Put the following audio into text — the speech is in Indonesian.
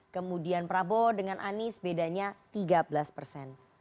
kemudian prabowo dengan anies bedanya tiga belas persen